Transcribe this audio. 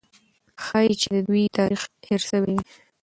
ښایي چې د دوی تاریخ هېر سوی وي.